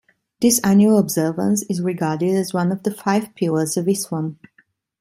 This annual observance is regarded as one of the Five Pillars of Islam.